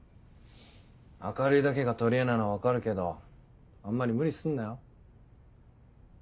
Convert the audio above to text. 明るいだけが取りえなのは分かるけどあんまり無理すんなよ。